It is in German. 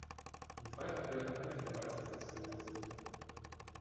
Am Freitag werden Alke die Weisheitszähne gezogen.